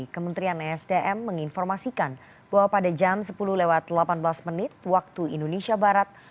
kementerian esdm menginformasikan bahwa pada jam sepuluh lewat delapan belas menit waktu indonesia barat